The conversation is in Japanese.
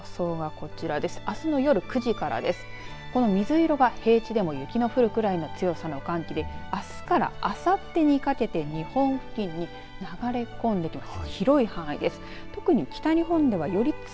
この水色が平地でも雪の降るくらいの強さの寒気であすからあさってにかけて日本付近に流れ込んできます。